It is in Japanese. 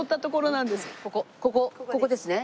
ここここですね。